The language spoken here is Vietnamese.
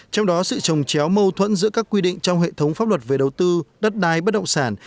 trong đó sự trồng chéo mâu thuẫn giữa các quy định trong hệ thống pháp luật về đầu tư đất đai bất động sản